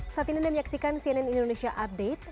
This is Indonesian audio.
satinanem yaksikan cnn indonesia update